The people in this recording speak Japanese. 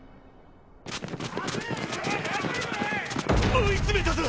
追い詰めたぞ！